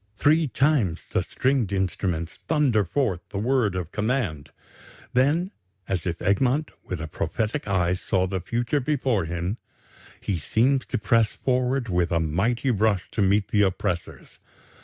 Three times the stringed instruments thunder forth the word of command. Then, as if Egmont with a prophetic eye saw the future before him, he seems to press forward with a mighty rush to meet the oppressors.